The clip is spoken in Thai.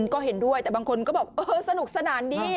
ก็เห็นด้วยแต่บางคนก็บอกเออสนุกสนานดี